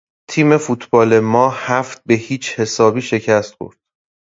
تیم فوتبال ما هفت به هیچ حسابی شکست خورد.